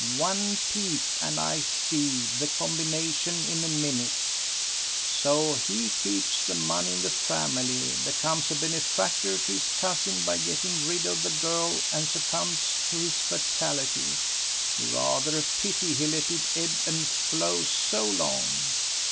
One peep, and I see the combination in a minute. So he keeps the money in the family, becomes a benefactor to his cousin by getting rid of the girl, and succumbs to his fatality. Rather a pity he let it ebb and flow so long.